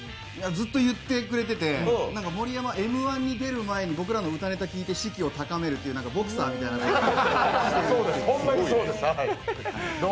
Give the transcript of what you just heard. ずっと言ってくれてて盛山、Ｍ−１に出る前に僕等の歌ネタ見て士気を高めるというボクサーみたいなことをしてると。